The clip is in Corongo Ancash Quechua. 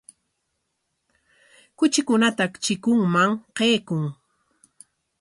Kuchikunata chikunman qaykun.